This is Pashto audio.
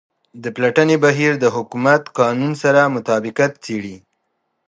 د پلټنې بهیر د حکومت قانون سره مطابقت څیړي.